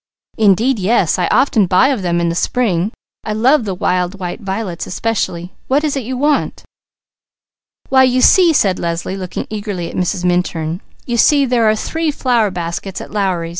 "Indeed yes! I often buy of them in the spring. I love the wild white violets especially. What is it you want?" "Why you see," said Leslie, looking eagerly at Mrs. Minturn, "you see there are three flower baskets at Lowry's.